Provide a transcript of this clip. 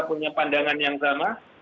punya pandangan yang sama